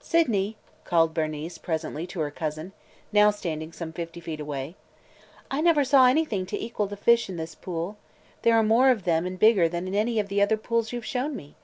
"Sydney," called Bernice presently to her cousin, now standing some fifty feet away, "I never saw anything to equal the fish in this pool! There are more of them and bigger than in any of the other pools you 've shown me!"